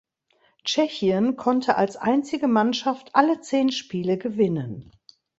Tschechien konnte als einzige Mannschaft alle zehn Spiele gewinnen.